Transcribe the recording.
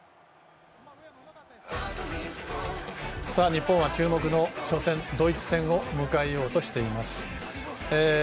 日本は注目の初戦ドイツ戦を迎えようとしています。